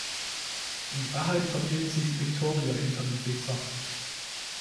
In Wahrheit verbirgt sich Victoria hinter dem Wixxer.